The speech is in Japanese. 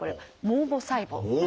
「毛母細胞」。